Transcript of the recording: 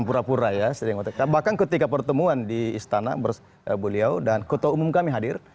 pura pura ya sering ototnya bahkan ketika pertemuan di istana bersih buliau dan kota umum kami hadir